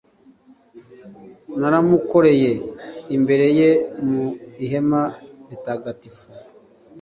naramukoreye imbere ye mu ihema ritagatifu